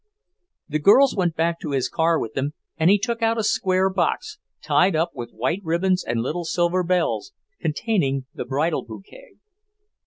The girls went back to his car with him, and he took out a square box, tied up with white ribbons and little silver bells, containing the bridal bouquet.